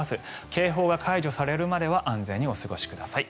警報が解除されるまでは安全にお過ごしください。